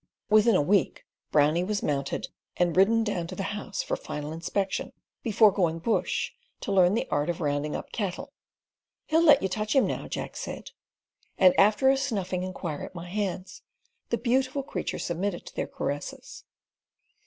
Within a week "Brownie" was mounted, and ridden down to the House for final inspection, before "going bush" to learn the art of rounding up cattle. "He'll let you touch him now," Jack said; and after a snuffing inquiry at my hands the beautiful creature submitted to their caresses.